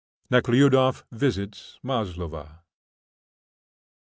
NEKHLUDOFF VISITS MASLOVA.